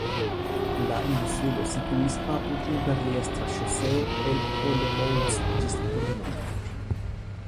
La insulo situis apud imperiestra ŝoseo el Olomouc ĝis Brno.